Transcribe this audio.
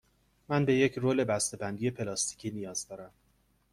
من به یک رول بسته بندی پلاستیکی نیاز دارم.